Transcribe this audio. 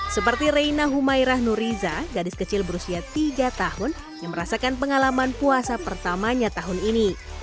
seperti reina humairah nuriza gadis kecil berusia tiga tahun yang merasakan pengalaman puasa pertamanya tahun ini